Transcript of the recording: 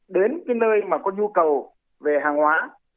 đến nơi có nhu cầu về hàng hóa